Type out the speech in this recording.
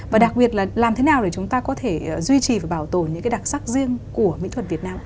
và đặc biệt là làm thế nào để chúng ta có thể duy trì và bảo tồn những cái đặc sắc riêng của mỹ thuật việt nam